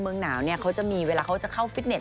เมืองหนาวเนี่ยเขาจะมีเวลาเขาจะเข้าฟิตเต็